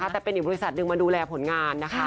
แต่เป็นอีกบริษัทหนึ่งมาดูแลผลงานนะคะ